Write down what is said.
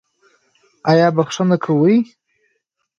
ایا بخښنه کوئ؟